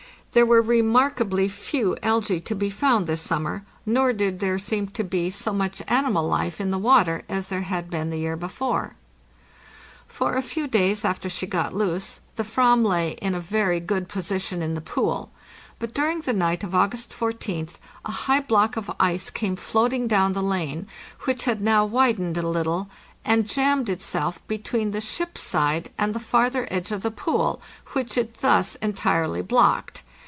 There were remarkably few alge to be found this summer, nor did there seem to be 652 APPENDIX so much animal life in the water as there had been the year before: For a few days after she got loose, the /ram lay in a very good position in the pool; but during the night of August 14th a high block of ice came floating down the lane, which had now widened a little, and jammed itself between the ship's side and the farther edge of the pool, which it thus entirely blocked.